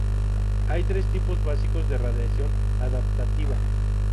Hay tres tipos básicos de radiación adaptativa.